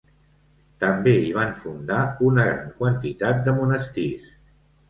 També hi van fundar una gran quantitat de monestirs.